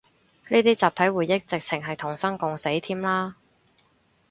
呢啲集體回憶，直程係同生共死添啦